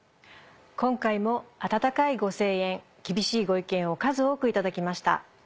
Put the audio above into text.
今回も温かいご声援厳しいご意見を数多く頂きました。